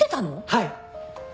はい。